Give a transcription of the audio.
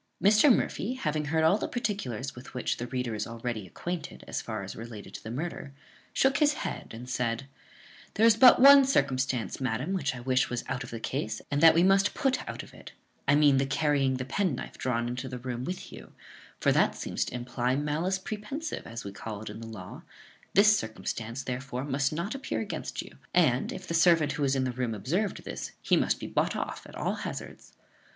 Mr. Murphy, having heard all the particulars with which the reader is already acquainted (as far as related to the murder), shook his head and said, "There is but one circumstance, madam, which I wish was out of the case; and that we must put out of it; I mean the carrying the penknife drawn into the room with you; for that seems to imply malice prepensive, as we call it in the law: this circumstance, therefore, must not appear against you; and, if the servant who was in the room observed this, he must be bought off at all hazards.